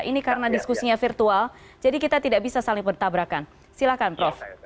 ini karena diskusinya virtual jadi kita tidak bisa saling bertabrakan silakan prof